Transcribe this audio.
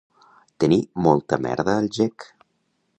Tenir molta merda al gec